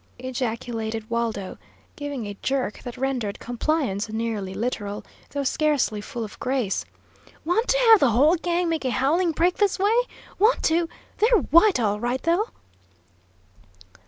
ejaculated Waldo, giving a jerk that rendered compliance nearly literal, though scarcely full of grace. "Want to have the whole gang make a howling break this way? Want to They're white all right, though!"